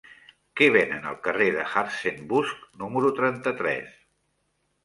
Què venen al carrer de Hartzenbusch número trenta-tres?